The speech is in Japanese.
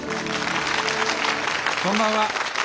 こんばんは。